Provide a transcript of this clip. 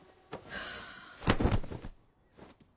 はあ。